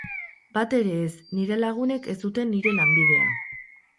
Bat ere ez, nire lagunek ez dute nire lanbidea.